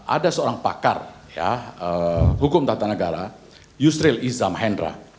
ada seorang pakar hukum tata negara yusril izam hendra